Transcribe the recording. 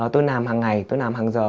tôi làm hàng ngày tôi làm hàng giờ